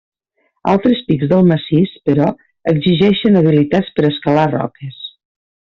Altres pics del massís, però, exigeixen habilitats per a escalar roques.